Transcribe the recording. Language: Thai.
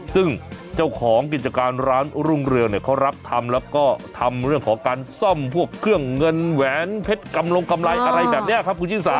ซึ่งเจ้าของกิจการร้านรุ่งเรืองเนี่ยเขารับทำแล้วก็ทำเรื่องของการซ่อมพวกเครื่องเงินแหวนเพชรกำลงกำไรอะไรแบบนี้ครับคุณชิสา